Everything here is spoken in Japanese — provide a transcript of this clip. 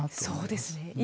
そうですね。